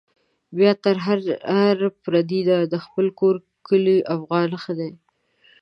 بيا تر هر پردي نه، د خپل کور کلي افغان ښه دی